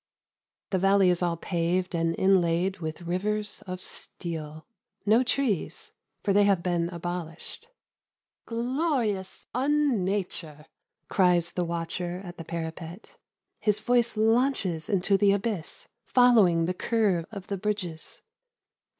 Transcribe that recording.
The valley is all paved and inlaid with rivers of steel. No trees, for they have been abolished. ' Glorious unnature,' cries the watcher at the parapet. His voice launches into the abyss, following the curve of the bridges.